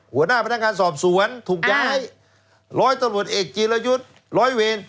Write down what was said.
หัวหน้าพนักงานสอบสวนถูกย้ายร้อยตำรวจเอกจีรยุทธ์ร้อยเวร